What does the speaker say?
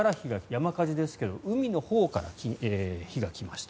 山火事ですけれど海のほうから火が来ました。